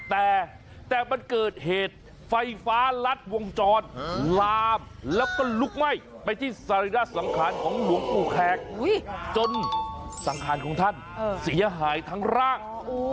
แต่มันเกิดเหตุไฟฟ้ารัดวงจรลามแล้วก็ลุกไหม้ไปที่สรีระสังขารของหลวงปู่แขกจนสังขารของท่านเสียหายทั้งร่าง